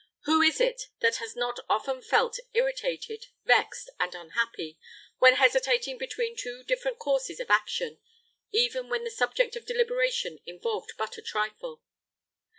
Who is it that has not often felt irritated, vexed, and unhappy, when hesitating between two different courses of action, even when the subject of deliberation involved but a trifle?